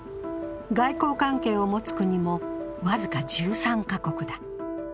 外交関係を持つ国も僅か１３か国だ。